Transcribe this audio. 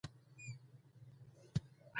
په کلي کې لویه لوبه وه.